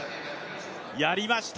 やりました